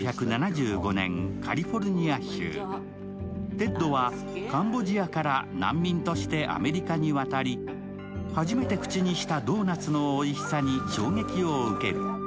テッドはカンボジアから難民としてアメリカに渡り、初めて口にしたドーナツのおいしさに衝撃を受ける。